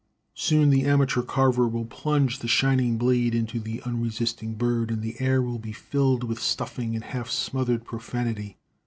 Soon the amateur carver will plunge the shining blade into the unresisting bird, and the air will be filled with stuffing and half smothered profanity.